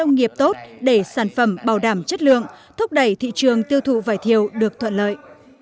nghiệp tốt để sản phẩm bảo đảm chất lượng thúc đẩy thị trường tiêu thụ vải thiều được thuận lợi